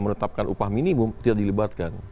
menetapkan upah minimum tidak dilibatkan